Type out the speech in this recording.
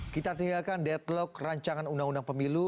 kita tinggalkan deadlock rancangan undang undang pemilu